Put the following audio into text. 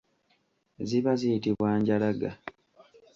Ziba ziyitibwa njalaga.